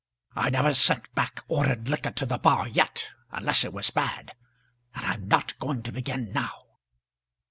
"I never sent back ordered liquor to the bar yet, unless it was bad; and I'm not going to begin now."